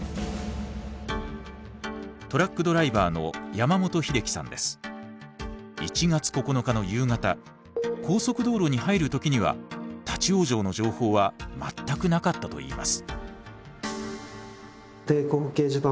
トラックドライバーの１月９日の夕方高速道路に入る時には立往生の情報は全くなかったといいます。